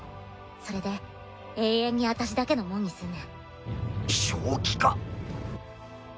それで永遠に私だけのもんにすんねん。